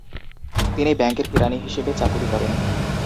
তিনি ব্যাংকের কেরানি হিসেবে চাকুরী করেন।